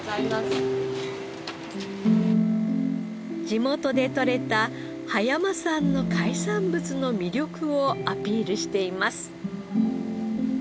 地元でとれた葉山産の海産物の魅力をアピールしています。